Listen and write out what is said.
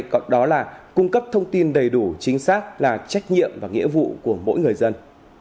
còn đó là cung cấp thông tin đầy đủ chính xác là trách nhiệm và nghĩa vụ của mỗi người dân